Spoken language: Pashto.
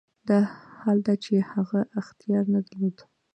حال دا چې هغه اختیار نه درلود.